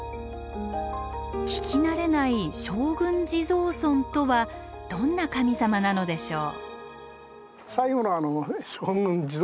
聞き慣れない「将軍地蔵尊」とはどんな神様なのでしょう？